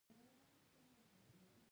د سروبي جهیل ډیر ژور دی